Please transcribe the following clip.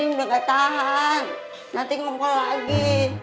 ini udah ga tahan nanti ngomong lagi